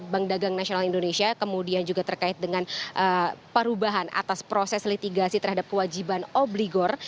bank dagang nasional indonesia kemudian juga terkait dengan perubahan atas proses litigasi terhadap kewajiban obligor